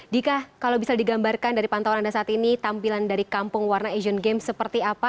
dika kalau bisa digambarkan dari pantauan anda saat ini tampilan dari kampung warna asian games seperti apa